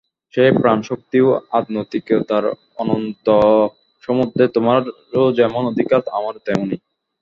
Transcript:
সেই প্রাণ শক্তি ও আধ্যাত্মিকতার অনন্ত সমুদ্রে তোমারও যেমন অধিকার, আমারও তেমনি।